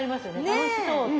楽しそうって。